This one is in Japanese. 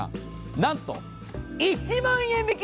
なんと１万円引き。